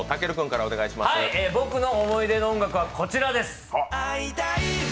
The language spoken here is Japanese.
僕の思い出の音楽はこちらです。